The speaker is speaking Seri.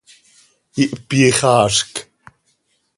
Ihpyixaazc.